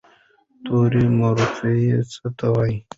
توري مورفي څه ته وایي؟